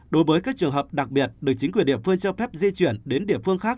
đối với các trường hợp đặc biệt được chính quyền địa phương cho phép di chuyển đến địa phương khác